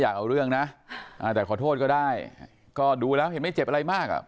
แต่ขอโทษก็ได้ก็ดูแล้วเห็นไม่เจ็บอะไรมากอ่ะ